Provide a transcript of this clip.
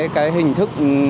cái hình thức